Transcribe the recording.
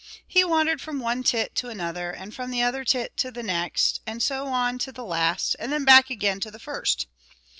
He wandered from one tit to another, and from the other tit to the next, and so on to the last, and then back again to the first.